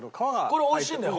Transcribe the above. これ美味しいんだよ